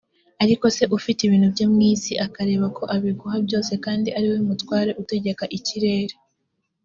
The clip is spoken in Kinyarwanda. ariko se ufite ibintu byo mu isi akareba ko abiguha byose kandi ariwe mutware utegeka ikirere